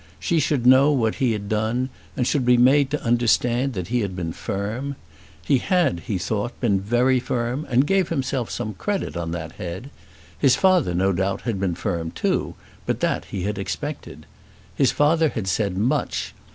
She should know what he had done, and should be made to understand that he had been firm. He had, he thought, been very firm and gave himself some credit on that head. His father, no doubt, had been firm too, but that he had expected. His father had said much.